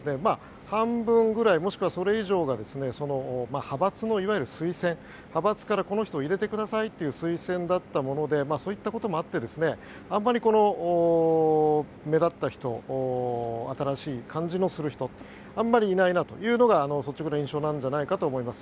半分くらい、もしくはそれ以上が派閥のいわゆる推薦派閥からこの人を入れてくださいという推薦だったものでそういったこともあってあんまり目立った人新しい感じのする人あまりいないなというのが率直な印象なんじゃないかと思います。